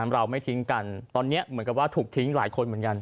เราไม่ทิ้งกันตอนนี้เหมือนกับว่าถูกทิ้งหลายคนเหมือนกัน